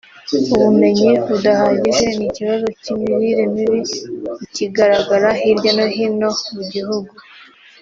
ubumenyi budahagije n’ikibazo cy’imirire mibi ikigaragara hirya no hino mu gihugu